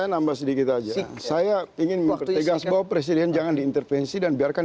nambah sedikit aja saya ingin mengerti gas bau presiden jangan diintervensi dan biarkan